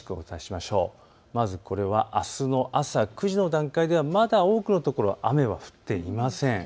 まず、あすの朝９時の段階ではまだ多くの所、雨は降っていません。